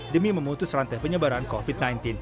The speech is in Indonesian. demi memutus rantai penyebaran covid sembilan belas